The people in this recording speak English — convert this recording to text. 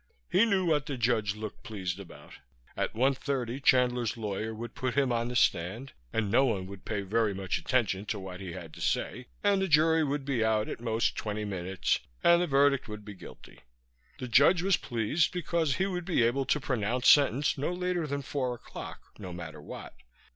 He knew what the judge looked pleased about. At one thirty Chandler's lawyer would put him on the stand, and no one would pay very much attention to what he had to say, and the jury would be out at most twenty minutes, and the verdict would be guilty. The judge was pleased because he would be able to pronounce sentence no later than four o'clock, no matter what.